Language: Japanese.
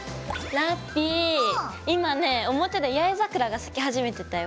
ラッピィ今ね表で八重桜が咲き始めてたよ。